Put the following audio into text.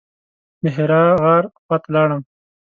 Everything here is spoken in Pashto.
د حرا غار خواته لاړم.